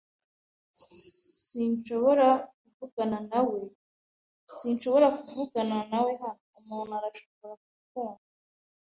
S Sinshobora kuvugana nawe hano. Umuntu arashobora kutwumva.